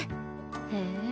へえ。